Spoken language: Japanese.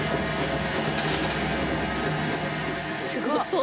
すごそう。